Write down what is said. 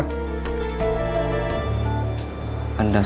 ini cuma kehendaknya